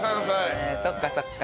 そっかそっか。